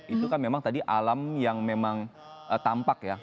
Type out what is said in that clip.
itu kan memang tadi alam yang memang tampak ya